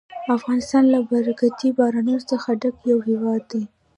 افغانستان له برکتي بارانونو څخه ډک یو هېواد دی.